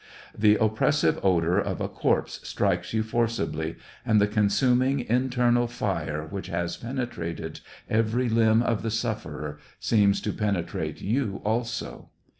The oppres sive odor of a corpse strikes you forcibly, and the consuming, internal fire which has penetrated every limb of the sufferer seems to penetrate you also.